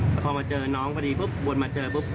แต่พอมาเจอน้องพอดีปุ๊บวนมาเจอปุ๊บ